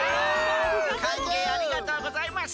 かんげいありがとうございます。